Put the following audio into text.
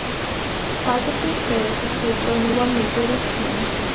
Five of these players have played for only one major league team.